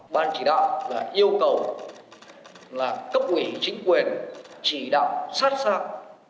ban chỉ đạo yêu cầu là cấp ủy chính quyền chỉ đạo sát sạc